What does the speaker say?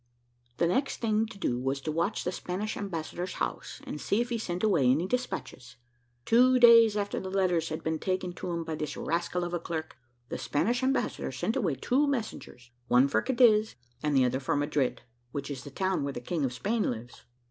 The next thing to do was to watch the Spanish ambassador's house, and see if he sent away any despatches. Two days after the letters had been taken to him by this rascal of a clerk, the Spanish ambassador sent away two messengers, one for Cadiz, and the other for Madrid, which is the town where the King of Spain lives.